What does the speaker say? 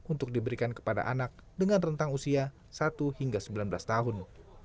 untuk diberikan kepada anak dengan rentang usia satu hingga sembilan belas tahun